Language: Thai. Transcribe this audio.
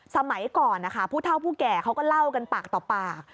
สมัยก่อนนะคะผู้เท่าผู้แก่เขาก็เล่ากันปากต่อปาก